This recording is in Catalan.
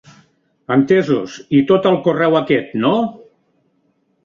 Entesos, i tot al correu aquest no?